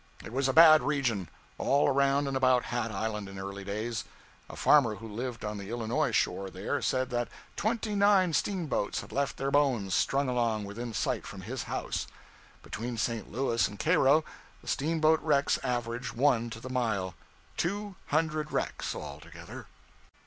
It was a bad region all around and about Hat Island, in early days. A farmer who lived on the Illinois shore there, said that twenty nine steamboats had left their bones strung along within sight from his house. Between St. Louis and Cairo the steamboat wrecks average one to the mile; two hundred wrecks, altogether.